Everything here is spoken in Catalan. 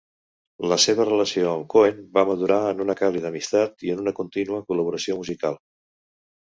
La seva relació amb Cohen va madurar en una càlida amistat i en una continua col·laboració musical.